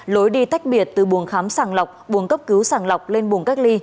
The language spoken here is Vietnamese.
lối đi tách biệt từ buồng khám sàng lọc buồng cấp cứu sàng lọc lên buồng cách ly